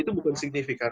itu bukan signifikan